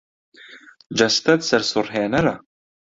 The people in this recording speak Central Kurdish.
جەستەت سەرسوڕهێنەرە.